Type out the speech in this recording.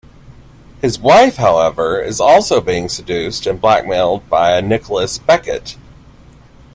His wife, however, is also being seduced and blackmailed by a Nicholas Beckett.